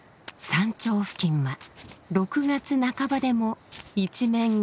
山頂付近は６月半ばでも一面銀世界。